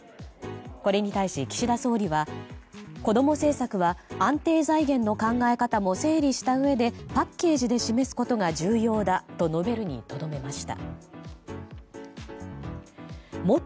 これに対し、岸田総理はこども政策は安定財源の考え方も整理したうえでパッケージで示すことが重要だと述べるにとどめました。